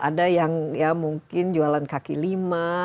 ada yang ya mungkin jualan kaki lima